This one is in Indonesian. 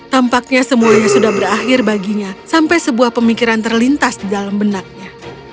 tampaknya semuanya sudah berakhir baginya sampai sebuah pemikiran terlintas di dalam benaknya